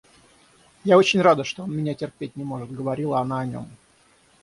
Я очень рада, что он меня терпеть не может, — говорила она о нем.